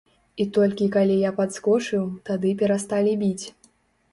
І толькі калі я падскочыў, тады перасталі біць.